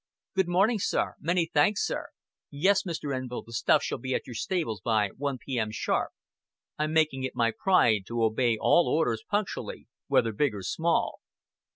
"Good morning, sir. Many thanks, sir.... Yes, Mr. Envill, the stuff shall be at your stables by one P.M. sharp. I'm making it my pride to obey all orders punctually, whether big or small."